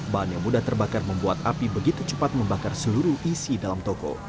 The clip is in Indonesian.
bahan yang mudah terbakar membuat api begitu cepat membakar seluruh isi dalam toko